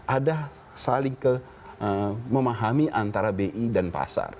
ada saling memahami antara bi dan pasar